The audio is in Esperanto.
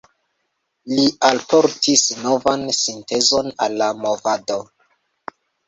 Li alportis novan sintezon al la movado.